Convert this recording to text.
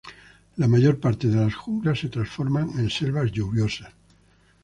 La mayor parte de las junglas se transforman en selvas lluviosas.